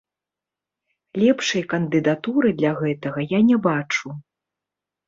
Лепшай кандыдатуры для гэтага я не бачу.